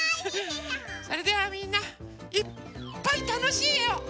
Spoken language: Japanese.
それではみんないっぱいたのしいえを。